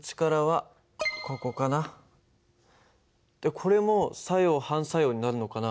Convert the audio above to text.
これも作用・反作用になるのかな。